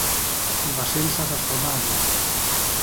η Βασίλισσα σας φωνάζει.